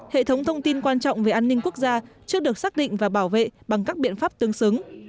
hệ thống thông tin quan trọng về an ninh quốc gia chưa được xác định và bảo vệ bằng các biện pháp tương xứng